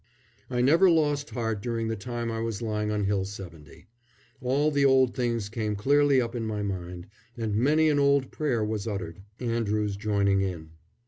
I never lost heart during the time I was lying on Hill 70. All the old things came clearly up in my mind, and many an old prayer was uttered, Andrews joining in.